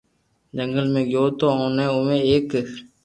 جنگل ۾ گيو تو اوني اووي ايڪ